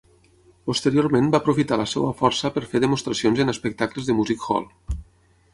Posteriorment va aprofitar la seva força per fer demostracions en espectacles de music hall.